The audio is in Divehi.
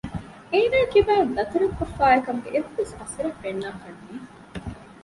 އޭނާގެ ކިބައިން ދަތުރެއްކޮށްފައި އައިކަމުގެ އެއްވެސް އަސަރެއް ފެންނާކަށް ނެތް